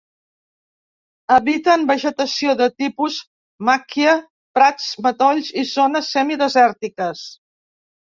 Habita en vegetació de tipus macchia, prats, matolls i zones semi-desèrtiques.